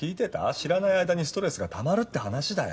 知らない間にストレスがたまるって話だよ。